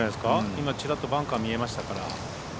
今ちらっとバンカー見えましたから。